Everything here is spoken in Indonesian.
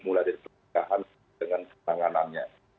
mulai dari pencegahan dengan penanganannya